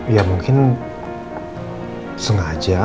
ya mungkin sengaja